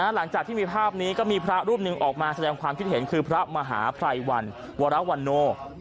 หลังจากที่มีภาพนี้ก็มีพระรูปหนึ่งออกมาแสดงความคิดเห็นคือพระมหาภัยวันวรวรรณโน